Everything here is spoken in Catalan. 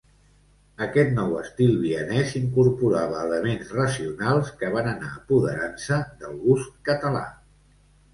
Aquest nou estil vienès incorporava elements racionals que van anar apoderant-se del gust català.